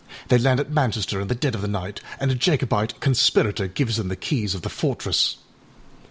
They land at Manchester in the dead of the night, and a Jacobite conspirator gives them the keys of the fortress.